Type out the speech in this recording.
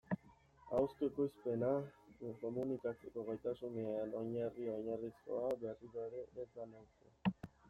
Ahozko ekoizpena, komunikatzeko gaitasunean oinarri-oinarrizkoa, berriro ere ez da neurtu.